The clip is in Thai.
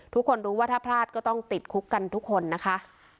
ทุกคนรู้ว่าถ้าพลาดก็ต้องติดคุกกันทุกคนนะคะ